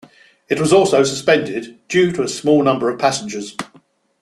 It was also suspended due to a small number of passengers.